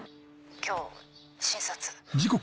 今日診察。